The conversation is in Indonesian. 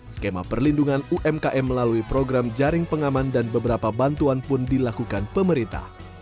skema perlindungan umkm melalui program jaring pengaman dan beberapa bantuan pun dilakukan pemerintah